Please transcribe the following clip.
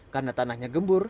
karena tanahnya gembur